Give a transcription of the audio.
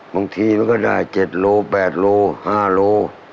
บางทีมันก็ได้๗โล๘โล๕โล